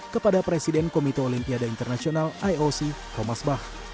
kepada presiden komite olimpiade internasional ioc thomas bach